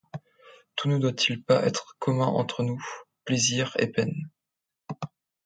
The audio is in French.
Tout ne doit-il pas être commun entre nous, plaisirs et peines?